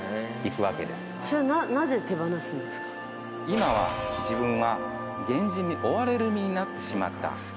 今は自分は源氏に追われる身になってしまった。